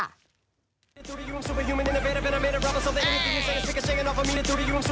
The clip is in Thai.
โอ้โฮ